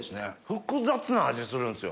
複雑な味するんですよ。